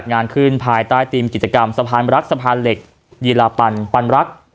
งานขึ้นภายใต้ทีมกิจกรรมสะพานรักสะพานเหล็กยีลาปันปันรัก